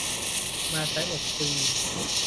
มาใช้เน็ตฟรี